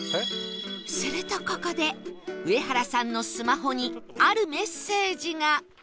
するとここで上原さんのスマホにあるメッセージが